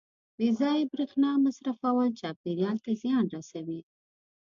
• بې ځایه برېښنا مصرفول چاپېریال ته زیان رسوي.